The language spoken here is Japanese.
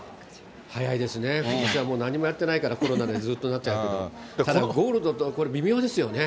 早いですね、ことしは何もやってないから、コロナでずっとなっちゃうけど、ただゴールドって、微妙ですよね。